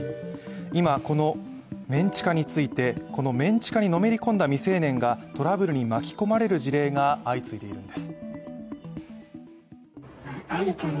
今、このメン地下についてこのメン地下にのめり込んだ未成年がトラブルに巻き込まれる事例が相次いでいるんです。